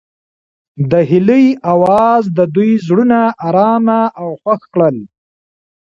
د هیلې اواز د دوی زړونه ارامه او خوښ کړل.